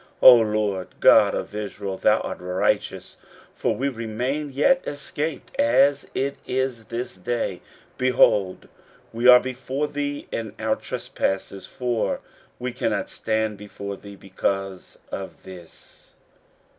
15:009:015 O LORD God of Israel, thou art righteous: for we remain yet escaped, as it is this day: behold, we are before thee in our trespasses: for we cannot stand before thee because of this.